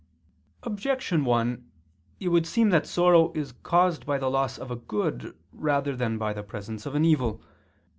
Objection 1: It would seem that sorrow is caused by the loss of a good rather than by the presence of an evil.